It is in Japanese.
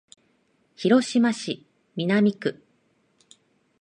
広島市南区